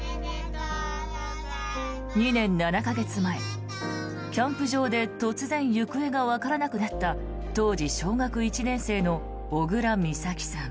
２年７か月前、キャンプ場で突然、行方がわからなくなった当時小学１年生の小倉美咲さん。